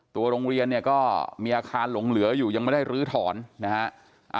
โรงเรียนเนี่ยก็มีอาคารหลงเหลืออยู่ยังไม่ได้ลื้อถอนนะฮะ